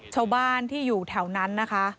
ชาวบ้านที่อยู่แถวนั้นนะคะ